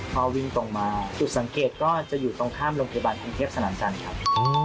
พอวิ่งตรงมาจุดสังเกตก็จะอยู่ตรงข้ามโรงพยาบาลกรุงเทพสนามจันทร์ครับ